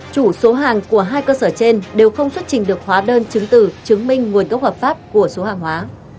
chủ số hàng của hai cơ sở trên đều không xuất trình được hóa đơn chứng từ chứng minh nguồn gốc hợp pháp của số hàng hóa